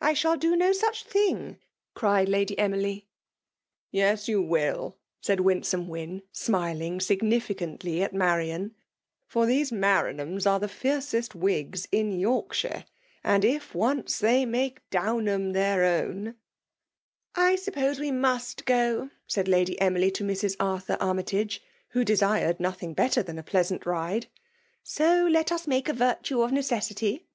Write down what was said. I shall do no snch thing!*' cried Lady Emily. Yes, you wiQ/' said Winsonie Wyn, sniling significantly at Marian ;*' for these Maisn hams are the fiercest Whigs in Yoibhire; and if once they make Downham Aeir own "" I suppose we must go/' said Lftdy Enfly to Mrs. Arthur Armytage, who desired bdo tking better than a pleasant rvie. ^ So let us make a virtue of necessity.'